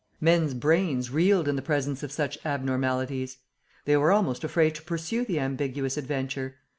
Men's brains reeled in the presence of such abnormalities. They were almost afraid to pursue the ambiguous adventure.